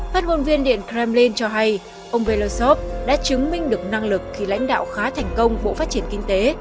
phát ngôn viên điện kremlin cho hay ông belosov đã chứng minh được năng lực khi lãnh đạo khá thành công bộ phát triển kinh tế